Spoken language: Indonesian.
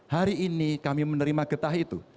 hari ini kami menerima getah itu